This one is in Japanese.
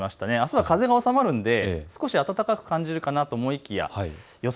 空風が収まるので少し暖かく感じるかなと思いきや予想